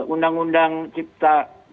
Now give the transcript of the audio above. undang undang cipta kerja atau cipta kesehatan